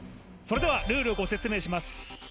それではルールをご説明します